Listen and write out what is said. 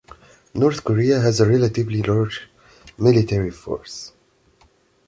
North Korea has a relatively large military force.